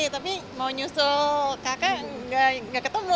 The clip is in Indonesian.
tapi mau nyusul kakak gak ketemu